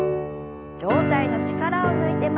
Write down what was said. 上体の力を抜いて前に。